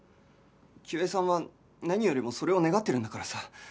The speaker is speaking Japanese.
清江さんは何よりもそれを願ってるんだからさ